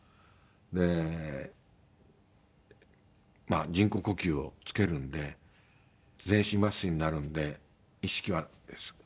でまあ人工呼吸をつけるんで全身麻酔になるので意識はなくなるんですけども。